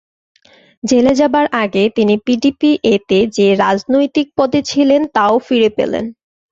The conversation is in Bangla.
জেলে যাবার আগে তিনি পিডিপিএ-তে যে রাজনৈতিক পদে ছিলেন তাও ফিরে পেলেন।